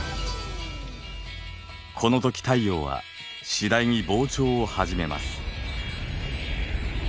このとき太陽は次第に膨張を始めます。